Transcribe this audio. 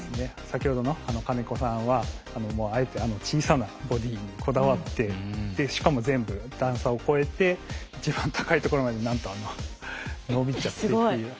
先ほどの金子さんはあえてあの小さなボディーにこだわってしかも全部段差を越えて一番高いところまでなんとあの伸びちゃってっていう。